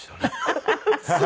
ハハハハ。